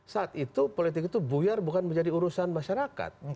saat itu politik itu buyar bukan menjadi urusan masyarakat